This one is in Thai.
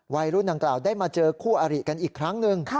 วัยรุ่นดังกล่าวได้มาเจอคู่อริกันอีกครั้งหนึ่ง